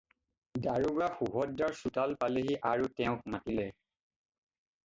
দাৰোগা সুভদ্ৰাৰ চোতাল পালেগৈ আৰু তেওঁক মাতিলে।